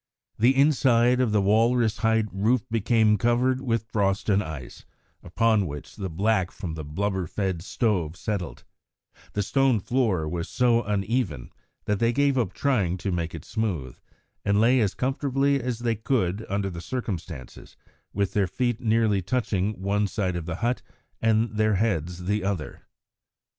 The inside of the walrus hide roof became covered with frost and ice, upon which the black from the blubber fed stove settled; the stone floor was so uneven that they gave up trying to make it smooth, and lay as comfortably as they could under the circumstances, with their feet nearly touching one side of the hut and their heads the other.